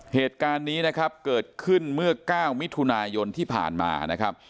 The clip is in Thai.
เหตุการณ์นี้นะครับเกิดขึ้นเมื่อ๙มิถุนายนที่ผ่านมานะครับ